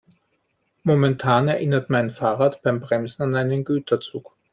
Momentan erinnert mein Fahrrad beim Bremsen an einen Güterzug.